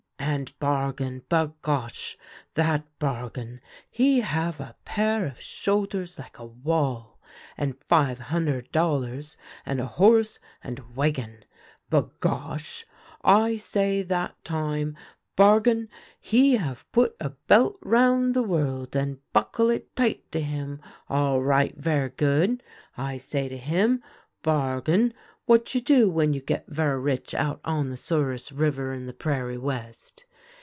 And Bargon, bagosh ! that Bargon, he have a pair of shoulders like a wall, and five hunder' dollars and a horse and wagon. Bagosh ! I say that time, * Bargon he have put a belt round the world and buckle it tight to him — all right, ver' good.' I say to him :' Bargon, what you do when you get ver' rich out on the Souris River in the prairie west